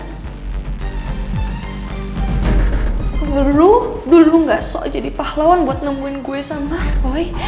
aku dulu dulu gak sok jadi pahlawan buat nemuin gue sama roy